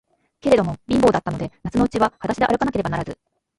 けれども、貧乏だったので、夏のうちははだしであるかなければならず、